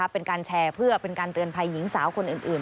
เป็นการแชร์เพื่อเป็นการเตือนภัยหญิงสาวคนอื่น